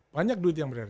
banyak duit yang benar